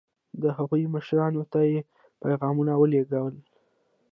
د هغوی مشرانو ته یې پیغامونه ولېږل.